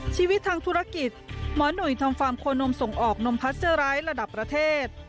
ชีวิตทางธุรกิจหมอหนุ่ยทำฟาร์มโคนมส่งออกนมพัสเซอร์ไร้ระดับประเทศ